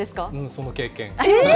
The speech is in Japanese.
その経験？